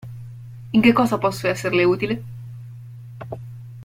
In che cosa posso esserle utile?